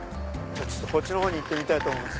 こっちのほうに行ってみたいと思います。